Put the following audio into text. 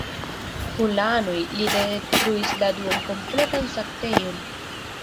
Kun la anoj, li detruis la duon-kompletan sanktejon.